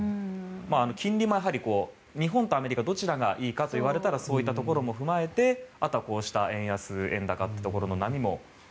金利も日本とアメリカどちらがいいかと言われたらそういったところも踏まえてあとはこうした円安、円高という波も。